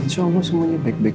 insya allah semuanya baik baik